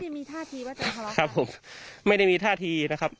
ไม่ได้มีท่าทีนะครับไม่ได้มีท่าทีนะครับ